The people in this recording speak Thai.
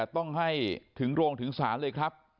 ถึงโรงถึงศาลเลยครับ